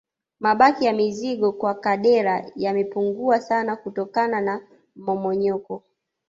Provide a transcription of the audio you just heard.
Mabaki ya mzingo wa kaldera yamepungua sana kutokana na mmomonyoko